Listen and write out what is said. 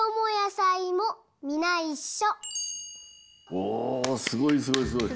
おおすごいすごいすごい。